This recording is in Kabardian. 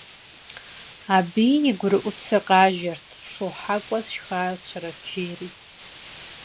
Абыи и гурыӏупсыр къажэрт: «Фо хьэкӏуэ сшхащэрэт!» - жери.